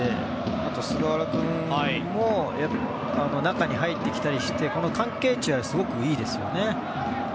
あとは菅原君も中に入ってきたりしてこの関係値はすごくいいですよね。